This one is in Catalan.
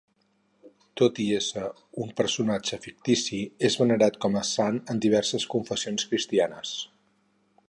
Tot i ésser un personatge fictici, és venerat com a sant en diverses confessions cristianes.